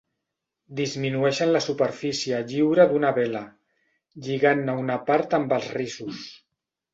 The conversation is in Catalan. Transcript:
Disminueixen la superfície lliure d'una vela lligant-ne una part amb els rissos.